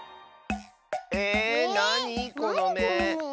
ええっなにこのめ？